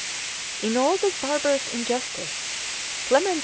In all this barbarous injustice, Clement V.